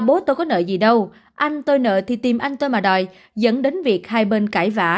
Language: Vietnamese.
bố tôi có nợ gì đâu anh tôi nợ thì tìm anh tôi mà đòi dẫn đến việc hai bên cãi vã